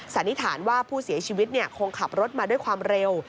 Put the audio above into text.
สันนิษฐานว่าผู้เสียชีวิตคงขับรถมาด้วยความเร็ว